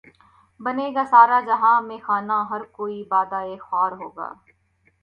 بنے گا سارا جہان مے خانہ ہر کوئی بادہ خوار ہوگا